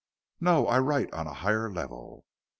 "No. I write on a higher level."